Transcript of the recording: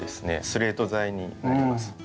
スレート材になります。